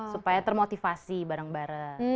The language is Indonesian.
supaya termotivasi bareng bareng